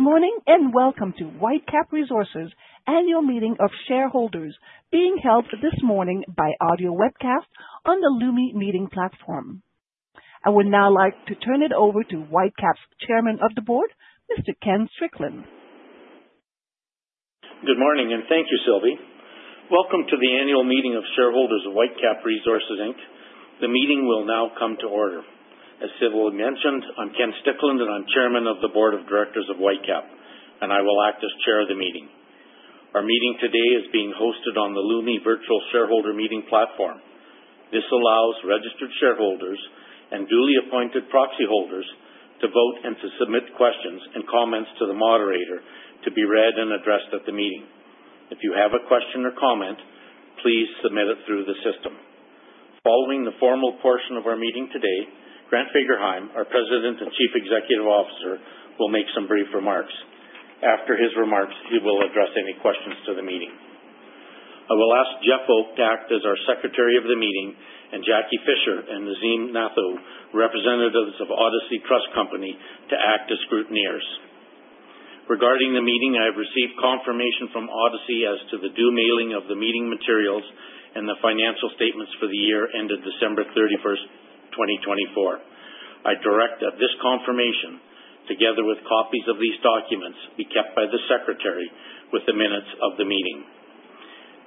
Good morning and welcome to Whitecap Resources' annual meeting of shareholders, being held this morning by audio webcast on the Lumi meeting platform. I would now like to turn it over to Whitecap's Chairman of the Board, Mr. Ken Strickland. Good morning, and thank you, Sylvie. Welcome to the annual meeting of shareholders of Whitecap Resources, Inc. The meeting will now come to order. As Sylvie mentioned, I'm Ken Strickland, and I'm chairman of the board of directors of Whitecap, and I will act as chair of the meeting. Our meeting today is being hosted on the Lumi virtual shareholder meeting platform. This allows registered shareholders and duly appointed proxy holders to vote and to submit questions and comments to the moderator to be read and addressed at the meeting. If you have a question or comment, please submit it through the system. Following the formal portion of our meeting today, Grant Fagerheim, our President and Chief Executive Officer, will make some brief remarks. After his remarks, he will address any questions to the meeting. I will ask Jeff Oke to act as our secretary of the meeting, and Jackie Fisher and Nazeem Nathoo, representatives of Odyssey Trust Company, to act as scrutineers. Regarding the meeting, I have received confirmation from Odyssey as to the due mailing of the meeting materials and the financial statements for the year ended December 31st, 2024. I direct that this confirmation, together with copies of these documents, be kept by the secretary with the minutes of the meeting.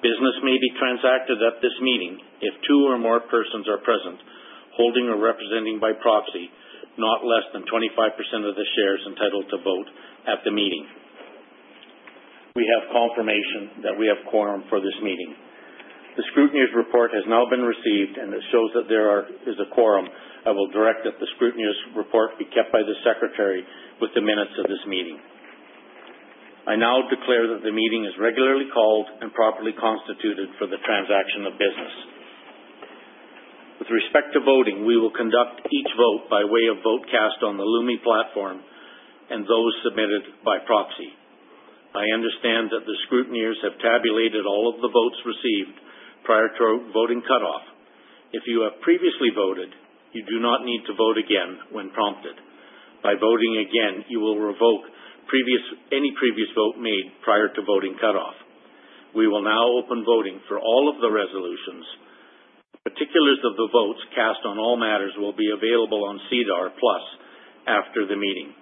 Business may be transacted at this meeting if two or more persons are present holding or representing by proxy not less than 25% of the shares entitled to vote at the meeting. We have confirmation that we have quorum for this meeting. The scrutineers' report has now been received, and it shows that there is a quorum. I will direct that the scrutineers' report be kept by the secretary with the minutes of this meeting. I now declare that the meeting is regularly called and properly constituted for the transaction of business. With respect to voting, we will conduct each vote by way of vote cast on the Lumi platform and those submitted by proxy. I understand that the scrutineers have tabulated all of the votes received prior to voting cutoff. If you have previously voted, you do not need to vote again when prompted. By voting again, you will revoke any previous vote made prior to voting cutoff. We will now open voting for all of the resolutions. Particulars of the votes cast on all matters will be available on SEDAR+ after the meeting.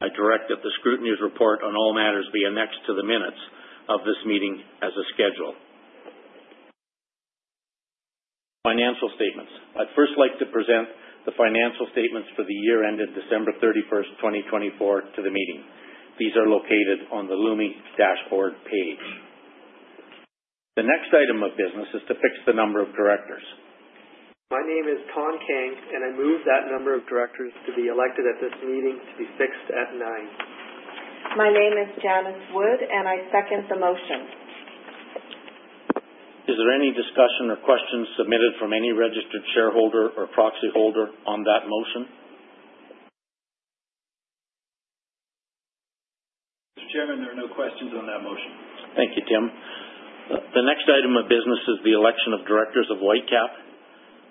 I direct that the scrutineers' report on all matters be annexed to the minutes of this meeting as a schedule. Financial statements. I'd first like to present the financial statements for the year ended December 31st, 2024, to the meeting. These are located on the Lumi dashboard page. The next item of business is to fix the number of directors. My name is Thanh Kang, and I move that the number of directors to be elected at this meeting be fixed at nine. My name is Janice Wood, and I second the motion. Is there any discussion or questions submitted from any registered shareholder or proxy holder on that motion? Mr. Chairman, there are no questions on that motion. Thank you, Tim. The next item of business is the election of directors of Whitecap.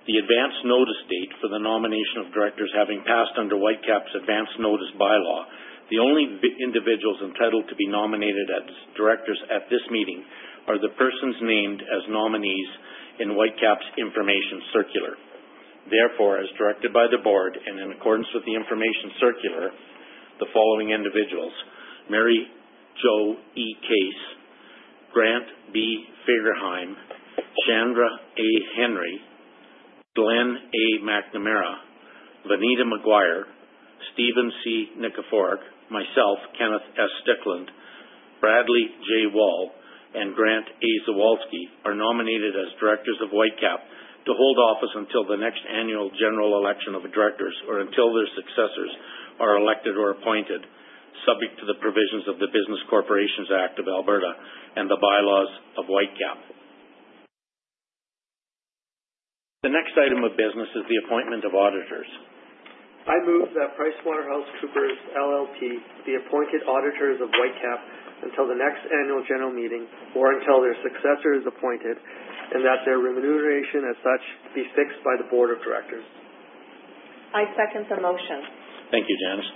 The advance notice date for the nomination of directors having passed under Whitecap's advance notice bylaw. The only individuals entitled to be nominated as directors at this meeting are the persons named as nominees in Whitecap's information circular. Therefore, as directed by the board and in accordance with the information circular, the following individuals: Mary-Jo Case, Grant Fagerheim, Chandra Henry, Glenn McNamara, Vineeta Maguire, Stephen Nikiforuk, myself, Kenneth S. Strickland, Brad Wall, and Grant Zawalsky are nominated as directors of Whitecap to hold office until the next annual general election of directors or until their successors are elected or appointed, subject to the provisions of the Business Corporations Act of Alberta and the bylaws of Whitecap. The next item of business is the appointment of auditors. I move that PricewaterhouseCoopers LLP be appointed auditors of Whitecap until the next annual general meeting or until their successor is appointed, and that their remuneration as such be fixed by the board of directors. I second the motion. Thank you, Janice.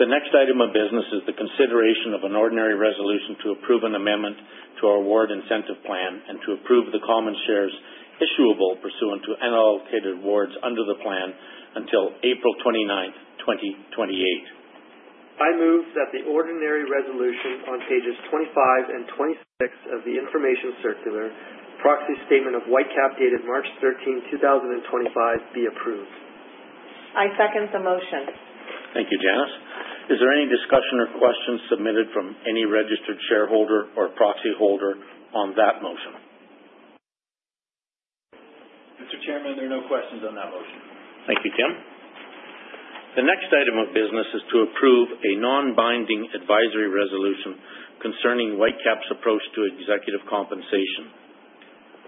The next item of business is the consideration of an ordinary resolution to approve an amendment to our award incentive plan and to approve the common shares issuable pursuant to allocated awards under the plan until April 29th, 2028. I move that the ordinary resolution on pages 25 and 26 of the information circular, proxy statement of Whitecap dated March 13, 2025, be approved. I second the motion. Thank you, Janice. Is there any discussion or questions submitted from any registered shareholder or proxy holder on that motion? Mr. Chairman, there are no questions on that motion. Thank you, Tim. The next item of business is to approve a non-binding advisory resolution concerning Whitecap's approach to executive compensation.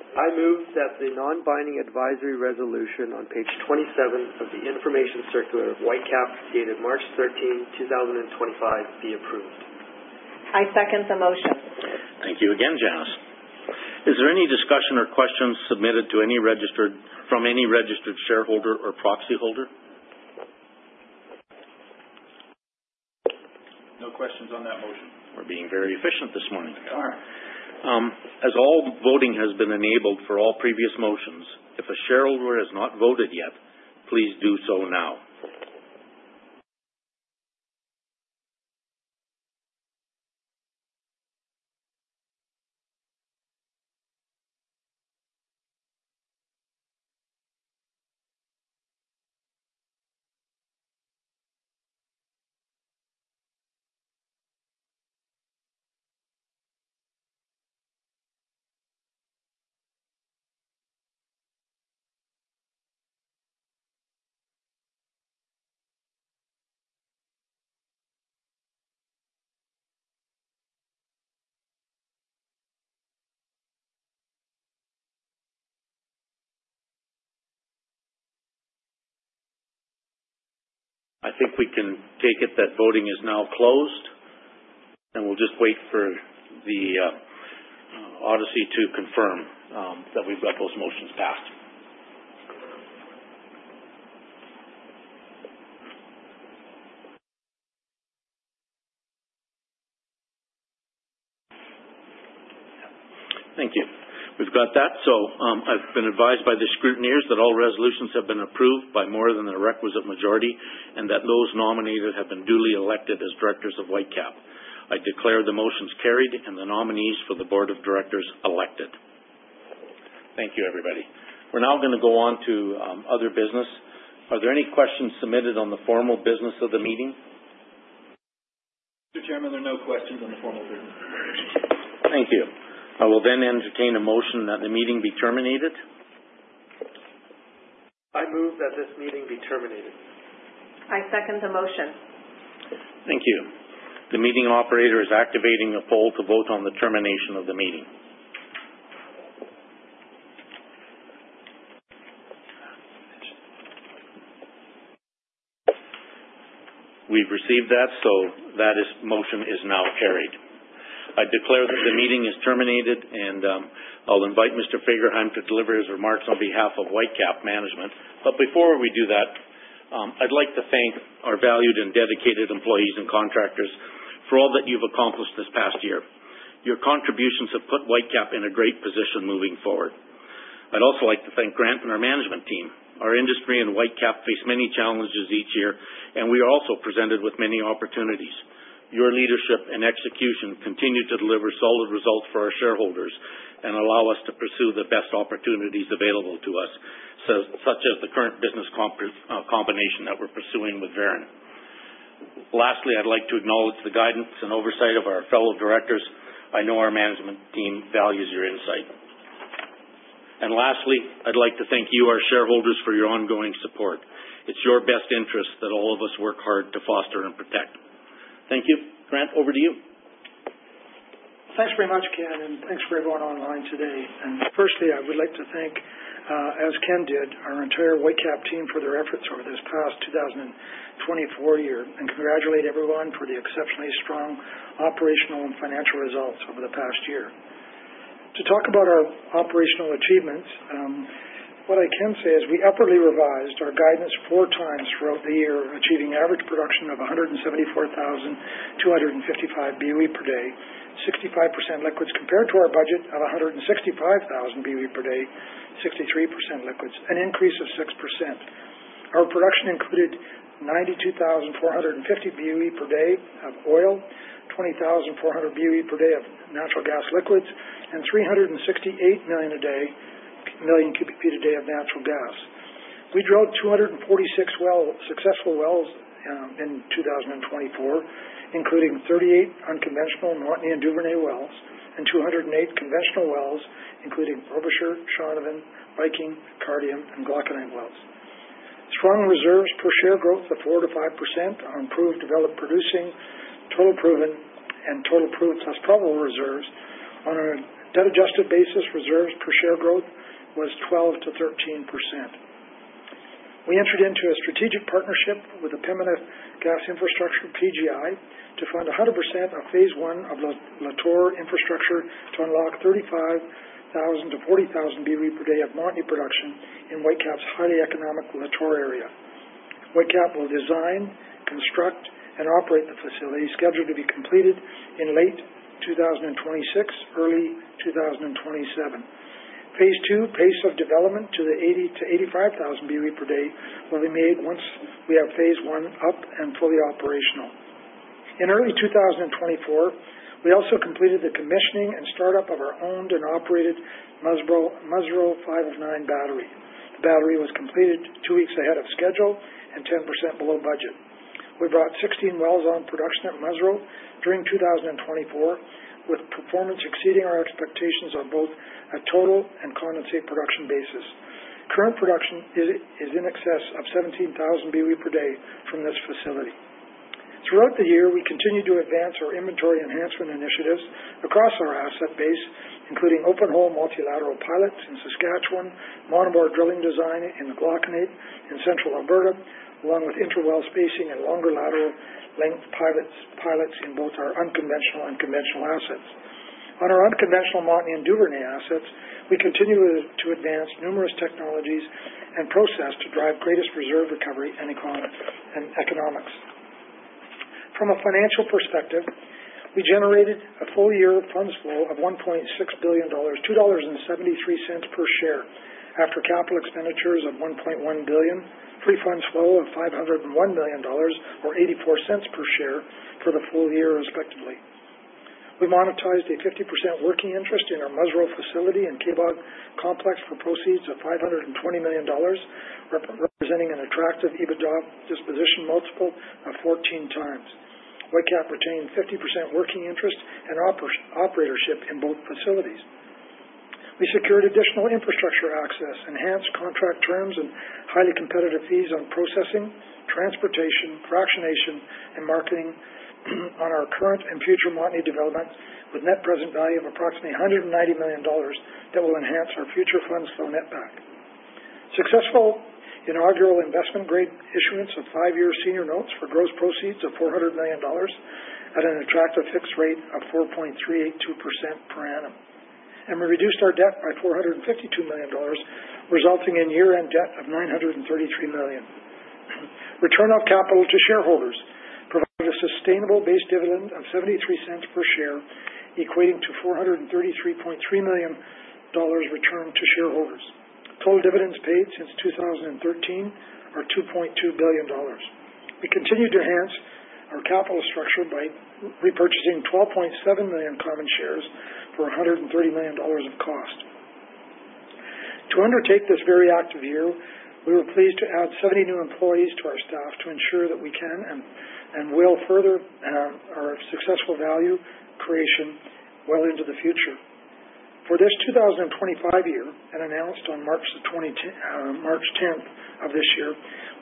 I move that the non-binding advisory resolution on page 27 of the information circular of Whitecap dated March 13, 2025, be approved. I second the motion. Thank you again, Janice. Is there any discussion or questions submitted from any registered shareholder or proxy holder? No questions on that motion. We're being very efficient this morning. We are. As all voting has been enabled for all previous motions, if a shareholder has not voted yet, please do so now. I think we can take it that voting is now closed, and we'll just wait for the Odyssey to confirm that we've got those motions passed. Thank you. We've got that. I've been advised by the scrutineers that all resolutions have been approved by more than the requisite majority and that those nominated have been duly elected as directors of Whitecap. I declare the motions carried and the nominees for the board of directors elected. Thank you, everybody. We're now going to go on to other business. Are there any questions submitted on the formal business of the meeting? Mr. Chairman, there are no questions on the formal business of the meeting. Thank you. I will then entertain a motion that the meeting be terminated. I move that this meeting be terminated. I second the motion. Thank you. The meeting operator is activating a poll to vote on the termination of the meeting. We've received that, so that motion is now carried. I declare that the meeting is terminated, and I'll invite Mr. Fagerheim to deliver his remarks on behalf of Whitecap management. But before we do that, I'd like to thank our valued and dedicated employees and contractors for all that you've accomplished this past year. Your contributions have put Whitecap in a great position moving forward. I'd also like to thank Grant and our management team. Our industry and Whitecap face many challenges each year, and we are also presented with many opportunities. Your leadership and execution continue to deliver solid results for our shareholders and allow us to pursue the best opportunities available to us, such as the current business combination that we're pursuing with Veren. Lastly, I'd like to acknowledge the guidance and oversight of our fellow directors. I know our management team values your insight. And lastly, I'd like to thank you, our shareholders, for your ongoing support. It's your best interest that all of us work hard to foster and protect. Thank you. Grant, over to you. Thanks very much, Ken, and thanks for everyone online today. Firstly, I would like to thank, as Ken did, our entire Whitecap team for their efforts over this past 2024 year and congratulate everyone for the exceptionally strong operational and financial results over the past year. To talk about our operational achievements, what I can say is we upwardly revised our guidance four times throughout the year, achieving average production of 174,255 BOE per day, 65% liquids compared to our budget of 165,000 BOE per day, 63% liquids, an increase of 6%. Our production included 92,450 BOE per day of oil, 20,400 BOE per day of natural gas liquids, and 368 million cubic feet a day of natural gas. We drilled 246 successful wells in 2024, including 38 unconventional Montney and Duvernay wells and 208 conventional wells, including Robsart, Shaunavon, Viking, Cardium, and Glauconite wells. Strong reserves per share growth of 4% to 5% on proved developed producing, total proven, and total proved plus probable reserves. On a debt-adjusted basis, reserves per share growth was 12%-13%. We entered into a strategic partnership with the Pembina Gas Infrastructure (PGI) to fund 100% of phase one of Lator infrastructure to unlock 35,000 to 40,000 BOE per day of Montney production in Whitecap's highly economic Lator area. Whitecap will design, construct, and operate the facility, scheduled to be completed in late 2026, early 2027. Phase two, pace of development to the 80,000-85,000 BOE per day, will be made once we have phase one up and fully operational. In early 2024, we also completed the commissioning and startup of our owned and operated Musreau 509 battery. The battery was completed two weeks ahead of schedule and 10% below budget. We brought 16 wells on production at Musreau during 2024, with performance exceeding our expectations on both a total and condensate production basis. Current production is in excess of 17,000 BOE per day from this facility. Throughout the year, we continue to advance our inventory enhancement initiatives across our asset base, including open-hole multilateral pilots in Saskatchewan, monobore drilling design in the Glauconite in central Alberta, along with interwell spacing and longer lateral length pilots in both our unconventional and conventional assets. On our unconventional Montney and Duvernay assets, we continue to advance numerous technologies and processes to drive greatest reserve recovery and economics. From a financial perspective, we generated a full-year funds flow of 1.6 billion dollars, $2.73 per share, after capital expenditures of 1.1 billion, free funds flow of 501 million dollars or $0.84 per share for the full year, respectively. We monetized a 50% working interest in our Musreau facility and Kaybob complex for proceeds of 520 million dollars, representing an attractive EBITDA disposition multiple of 14x. Whitecap retained 50% working interest and operatorship in both facilities. We secured additional infrastructure access, enhanced contract terms, and highly competitive fees on processing, transportation, fractionation, and marketing on our current and future Montney development, with net present value of approximately 190 million dollars that will enhance our future funds flow netback. Successful inaugural investment-grade issuance of 5-year senior notes for gross proceeds of 400 million dollars at an attractive fixed rate of 4.382% per annum. We reduced our debt by 452 million dollars, resulting in year-end debt of 933 million. Return of capital to shareholders provided a sustainable base dividend of 0.73 per share, equating to 433.3 million dollars returned to shareholders. Total dividends paid since 2013 are 2.2 billion dollars. We continued to enhance our capital structure by repurchasing 12.7 million common shares for 130 million dollars of cost. To undertake this very active year, we were pleased to add 70 new employees to our staff to ensure that we can and will further our successful value creation well into the future. For this 2025 year and announced on March 10th of this year,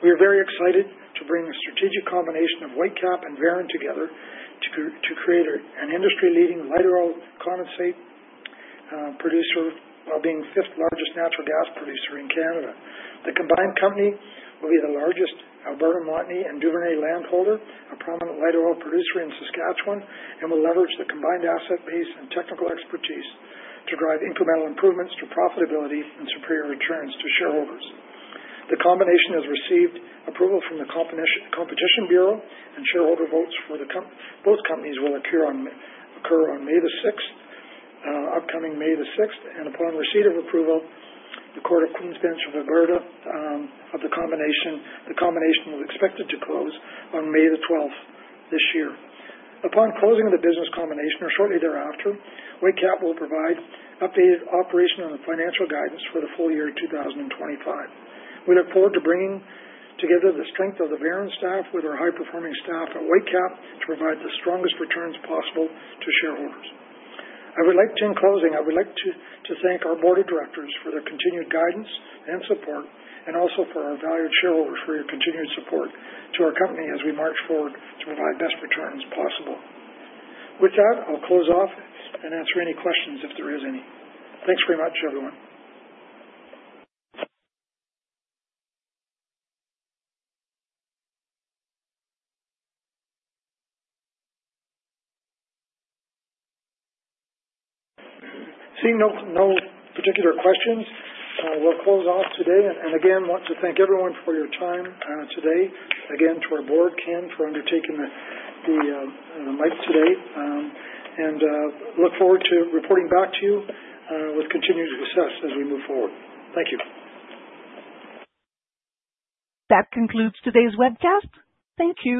we are very excited to bring a strategic combination of Whitecap and Veren together to create an industry-leading light oil condensate producer while being fifth-largest natural gas producer in Canada. The combined company will be the largest Alberta Montney and Duvernay landholder, a prominent light oil producer in Saskatchewan, and will leverage the combined asset base and technical expertise to drive incremental improvements to profitability and superior returns to shareholders. The combination has received approval from the Competition Bureau, and shareholder votes for both companies will occur on May the 6th, upcoming May the 6th, and upon receipt of approval, the Court of King's Bench of Alberta of the combination will expect it to close on May the 12th this year. Upon closing of the business combination or shortly thereafter, Whitecap will provide updated operational and financial guidance for the full year 2025. We look forward to bringing together the strength of the Veren staff with our high-performing staff at Whitecap to provide the strongest returns possible to shareholders. I would like to, in closing, I would like to thank our board of directors for their continued guidance and support and also for our valued shareholders for your continued support to our company as we march forward to provide best returns possible. With that, I'll close off and answer any questions if there are any. Thanks very much, everyone. Seeing no particular questions, we'll close off today and again want to thank everyone for your time today. Again, to our board, Ken, for undertaking the mic today and look forward to reporting back to you with continued success as we move forward. Thank you. That concludes today's webcast. Thank you.